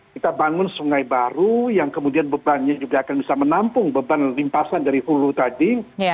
kita bangun sungai baru yang kemudian bebannya juga akan bisa menampung beban limpasan dari hulu tadi